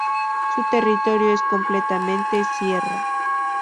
Su territorio es completamente sierra.